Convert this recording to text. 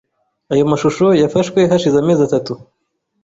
Aya mashusho yafashwe hashize amezi atatu .